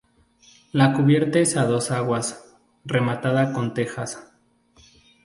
La cubierta es a dos aguas, rematada con tejas.